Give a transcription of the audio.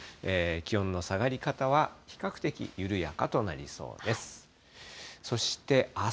気温の下がり方は、比較的緩やかとなりそうです。